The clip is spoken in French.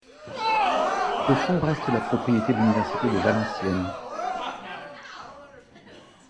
Ce fonds reste la propriété de l'université de Valenciennes.